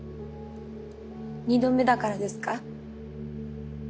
２度目だからですか？